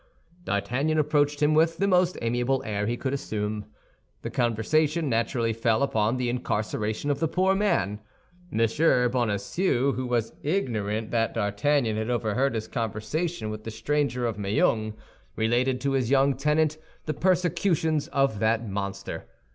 D'Artagnan approached him with the most amiable air he could assume. The conversation naturally fell upon the incarceration of the poor man. M. Bonacieux, who was ignorant that D'Artagnan had overheard his conversation with the stranger of Meung, related to his young tenant the persecutions of that monster, M.